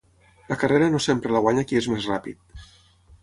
La carrera no sempre la guanya qui és més ràpid.